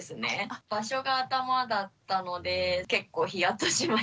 場所が頭だったので結構ヒヤッとしました。